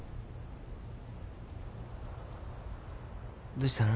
どしたの？